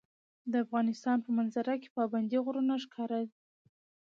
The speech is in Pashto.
د افغانستان په منظره کې پابندی غرونه ښکاره ده.